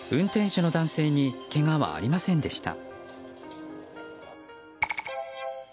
運転手の男性にけがはありませんでした。